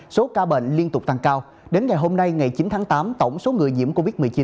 số ca bệnh liên tục tăng cao đến ngày hôm nay ngày chín tháng tám tổng số người nhiễm covid một mươi chín